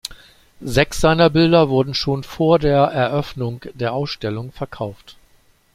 Sechs seiner Bilder wurden schon vor der Eröffnung er Ausstellung verkauft.